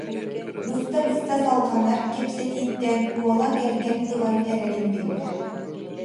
Быста-быста салҕанар кэпсэтииттэн уола кэргэн ылан эрэрин биллэ